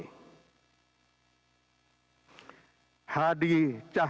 ketua umum komite olaraga rekreasi masyarakat indonesia atau kormi